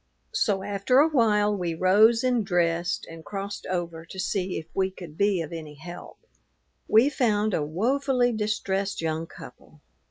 So after a while we rose and dressed and crossed over to see if we could be of any help. We found a woefully distressed young couple.